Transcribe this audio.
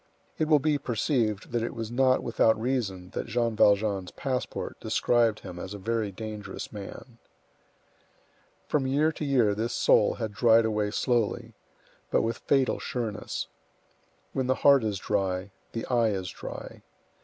It will be perceived that it was not without reason that Jean Valjean's passport described him as a very dangerous man. From year to year this soul had dried away slowly, but with fatal sureness. When the heart is dry, the eye is dry.